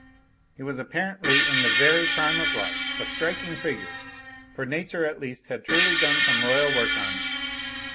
He was apparently in the very prime of life a striking figure, for nature at least had truly done some royal work on him.